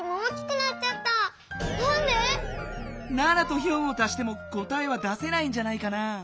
７と４を足しても答えは出せないんじゃないかな。